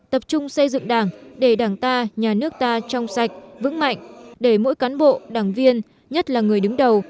tập trung xây dựng đảng để đảng ta nhà nước ta trong sạch vững mạnh để mỗi cán bộ đảng viên nhất là người đứng đầu